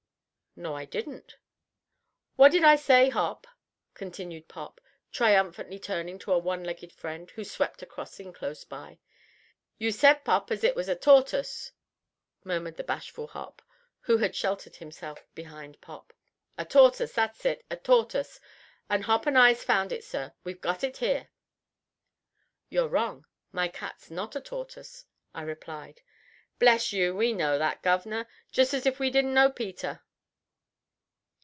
"No, I didn't." "What did I say, Hop?" continued Pop, triumphantly turning to a one legged friend who swept a crossing close by. "Yer said, Pop, as it was a tortus," murmured the bashful Hop, who had sheltered himself behind Pop. "A tortus, that's it. A tortus, and Hop and I's found it, sir. We've got it here." "You're wrong. My cat's not a tortoise," I replied. "Bless you, we know that, guv'nor. Just as if we didn't know Peter!